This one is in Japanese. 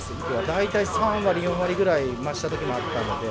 大体３割、４割ぐらい増したときもあったので。